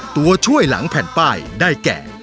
ตัวช่วยหลังแผ่นป้ายได้แก่